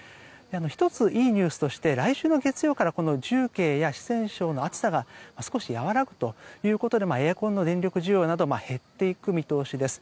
１つ、いいニュースとして来週の月曜から重慶や四川省の暑さが少し和らぐということでエアコンの電力需要などは減っていく見通しです。